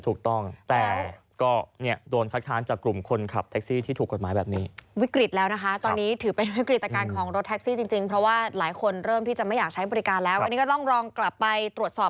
ถูกต้องแต่ก็โดนคัดค้านจากกลุ่มคนขับแท็กซี่ที่ถูกกฎหมายแบบนี้